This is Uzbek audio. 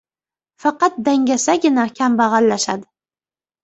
• Faqat dangasagina kambag‘allashadi.